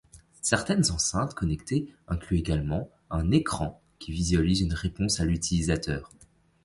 Certaines enceintes connectées incluent également un écran qui visualise une réponse à l'utilisateur.